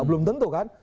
belum tentu kan